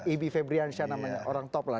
ibi febriansyah namanya orang top lah